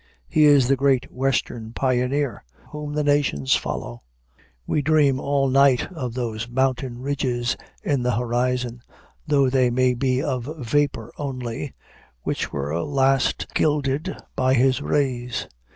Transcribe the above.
He is the Great Western Pioneer whom the nations follow. We dream all night of those mountain ridges in the horizon, though they may be of vapor only, which were last gilded by his rays.